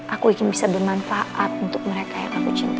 aku ingin bisa bermanfaat untuk mereka yang aku cintai